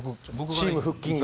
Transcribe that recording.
チーム腹筋が。